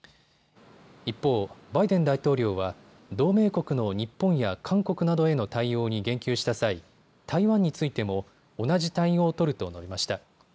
一方、バイデン大統領は同盟国の日本や韓国などへの対応に言及した際、台湾についても同じ対応を取ると述べました。